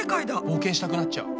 冒険したくなっちゃう。